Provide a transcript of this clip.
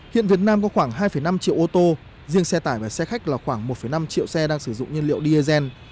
hiện việt nam có khoảng hai năm triệu ô tô riêng xe tải và xe khách là khoảng một năm triệu xe đang sử dụng nhiên liệu diesel